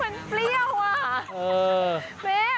น้ำ